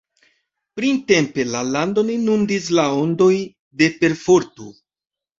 Printempe la landon inundis la ondoj de perforto.